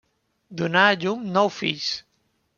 Donà a llum nou fills.